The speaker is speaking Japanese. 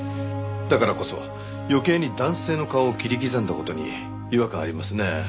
だからこそ余計に男性の顔を切り刻んだ事に違和感ありますね。